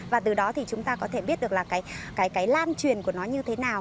và từ đó thì chúng ta có thể biết được là cái lan truyền của nó như thế nào